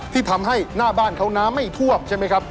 ที่ทำให้หน้าบ้านเขาน้ำไม่ท่วมใช่ไหมครับ